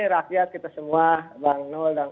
rakyat kita semua bang noel dan